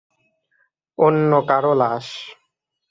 অন্য কারো লাশ।